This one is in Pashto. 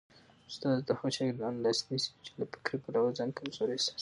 استاد د هغو شاګردانو لاس نیسي چي له فکري پلوه ځان کمزوري احساسوي.